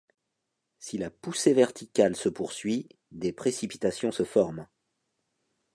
Si la poussée verticale se poursuit, des précipitations se forment.